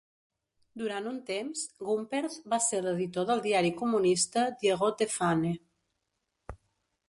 Durant un temps, Gumperz va ser l'editor del diari comunista "Die Rote Fahne".